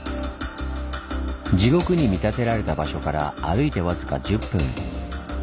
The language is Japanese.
地獄に見立てられた場所から歩いて僅か１０分。